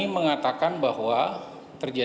tang tah massachusetts